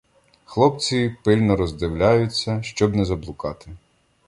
Хлопці пильно роздивляються, щоб не заблукати.